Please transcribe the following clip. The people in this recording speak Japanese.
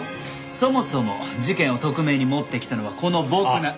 そもそも事件を特命に持ってきたのはこの僕。